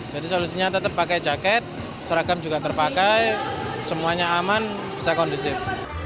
jadi solusinya tetap pakai jaket seragam juga terpakai semuanya aman bisa kondisif